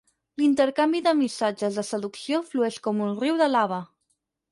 L'intercanvi de missatges de seducció flueix com un riu de lava.